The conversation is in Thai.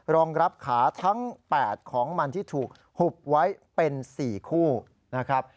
รองรับขาทั้ง๘ของมันที่ถูกหุบไว้เป็น๔คู่นะครับ